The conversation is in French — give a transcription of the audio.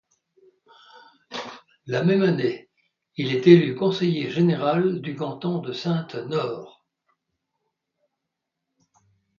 La même année, il est élu conseiller général du canton de Saintes-Nord.